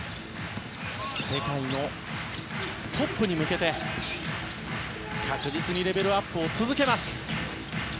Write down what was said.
世界のトップに向けて確実にレベルアップを続けます。